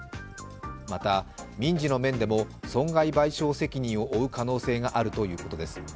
また、民事の面でも損害賠償請求を負う可能性があるということです。